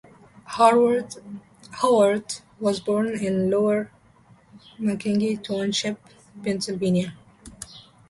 Howard was born in Lower Macungie Township, Pennsylvania.